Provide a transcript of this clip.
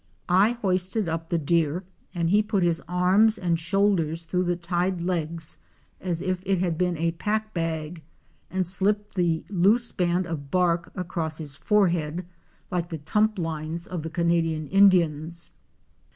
I hoisted up the deer and he put his arms and shoulders through the tied legs as if it had been a pack bag and slipped the loose band of bark across his forehead, like the tump lines of the Canadian Indians.